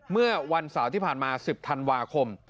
เมื่อวันเสาร์ที่ผ่านมา๑๐ธันวาคม